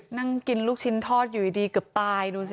นั่งกินลูกชิ้นทอดอยู่ดีเกือบตายดูสิ